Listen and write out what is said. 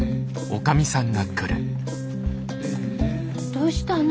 どうしたの？